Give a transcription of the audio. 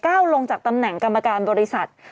ลงจากตำแหน่งกรรมการบริษัท